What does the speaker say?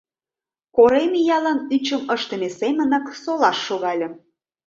Корем иялан ӱчым ыштыме семынак солаш шогальым.